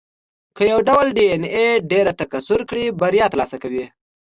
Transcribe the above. که یو ډول ډېایناې ډېره تکثر کړي، بریا ترلاسه کوي.